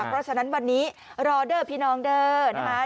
เพราะฉะนั้นวันนี้รอเด้อพี่น้องเด้อนะคะ